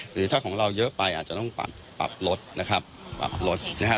หรือถ้าของเราเยอะไปอาจจะต้องปรับลดนะครับปรับลดนะฮะ